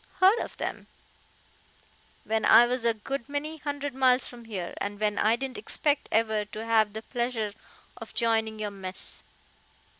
Heard of 'em when I was a good many hundred miles from here, and when I didn't expect ever to have the pleasure of joining your mess.